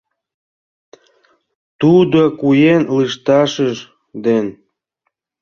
Тудо куэн лышташыж ден